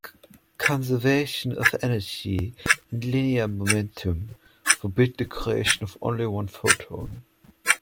Conservation of energy and linear momentum forbid the creation of only one photon.